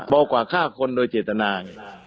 เบากว่าฆ่าคนโดยเจตนา